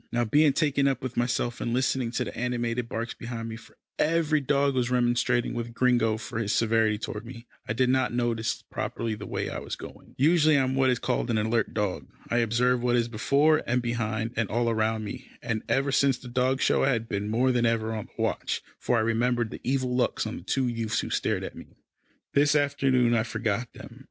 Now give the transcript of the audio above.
Now, being so taken up with myself, and listening to the animated barks behind me, for every dog was remonstrating with Gringo for his severity toward me, I did not notice properly the way I was going. Usually, I am what is called an alert dog. I observe what is before, and behind, and all round me, and ever since the dog show, I had been more than ever on the watch, for I remembered the evil looks of the two youths who had stared at me. This afternoon I forgot them.